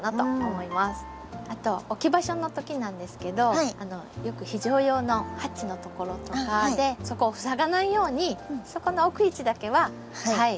あと置き場所の時なんですけどよく非常用のハッチのところとかそこを塞がないようにそこの置く位置だけは気をつけて。